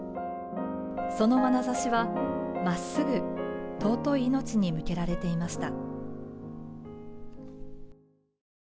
そのまなざしはまっすぐ尊い命に向けられていました。